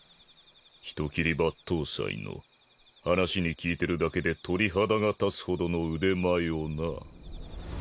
人斬り抜刀斎の話に聞いてるだけで鳥肌が立つほどの腕前をな。